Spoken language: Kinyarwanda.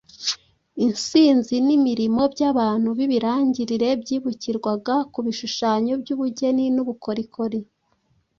Insinzi n’imirimo by’abantu b’ibirangirire byibukirwaga ku bishushanyo by’ubugeni n’ubukorokori.